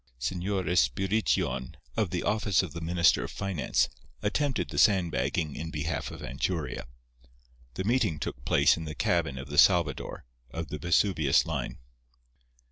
Señor Espirition, of the office of the Minister of Finance, attempted the sandbagging in behalf of Anchuria. The meeting took place in the cabin of the Salvador, of the Vesuvius line.